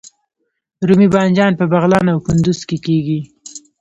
رومي بانجان په بغلان او کندز کې کیږي